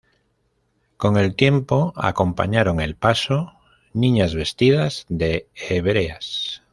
Con el tiempo acompañaron el paso niñas vestidas de hebreas.